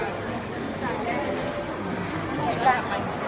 เราจะช่วยเลย